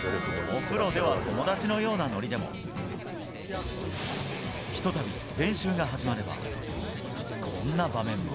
お風呂では友達のような乗りでも、ひとたび練習が始まれば、こんな場面も。